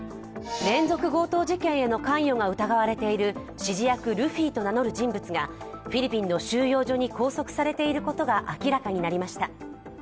連続強盗事件への関与が疑われている指示役ルフィと名乗る人物がフィリピンの収容所に拘束されていることが明らかになりました。